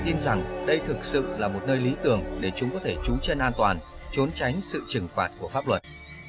tôi tin rằng đây thực sự là một nơi lý tưởng để chúng có thể trú chân an toàn trốn tránh sự trừng phạt của pháp luật